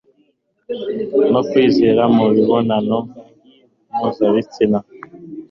no kwinezeza mu mibonano mpuzabitsina